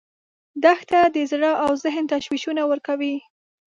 دښته د زړه او ذهن تشویشونه ورکوي.